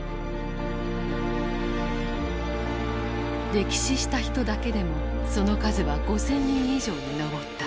溺死した人だけでもその数は５，０００人以上に上った。